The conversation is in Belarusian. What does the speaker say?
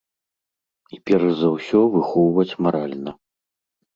І перш за ўсё выхоўваць маральна.